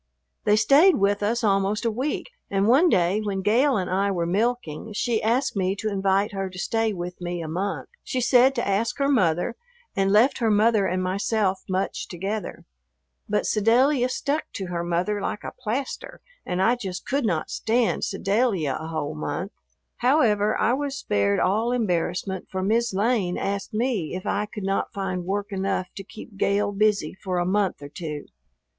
They stayed with us almost a week, and one day when Gale and I were milking she asked me to invite her to stay with me a month. She said to ask her mother, and left her mother and myself much together. But Sedalia stuck to her mother like a plaster and I just could not stand Sedalia a whole month. However, I was spared all embarrassment, for "Mis' Lane" asked me if I could not find work enough to keep Gale busy for a month or two.